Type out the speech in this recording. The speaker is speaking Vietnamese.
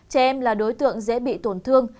trẻ em là đối tượng dễ bị tổn thương